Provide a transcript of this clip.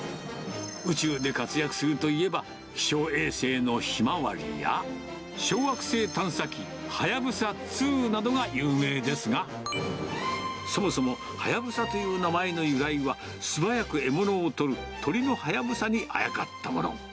宇宙で活躍するといえば、気象衛星のひまわりや、小惑星探査機はやぶさ２などが有名ですが、そもそも、はやぶさという名前の由来は、素早く獲物を取る鳥のハヤブサにあやかったもの。